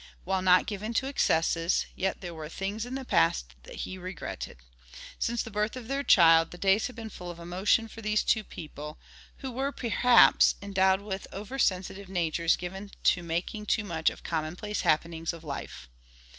While not given to excesses, yet there were things in the past that he regretted. Since the birth of their child, the days had been full of emotion for these two people, who were, perhaps, endowed with over sensitive natures given to making too much of the commonplace happenings of life.